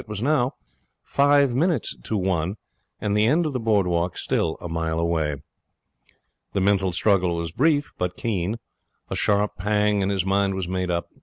It was now five minutes to one, and the end of the board walk still a mile away. The mental struggle was brief but keen. A sharp pang, and his mind was made up.